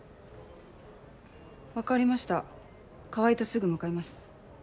分かりました川合とすぐ向かいます。